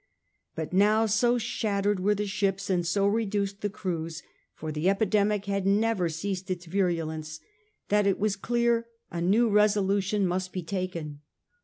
But now so shattered were the ships and so reduced the crews — for the epidemic had never ceased its virulence — that it was clear a new resolution i88 SIR FRANCIS DRAKE chap, xii must be taken.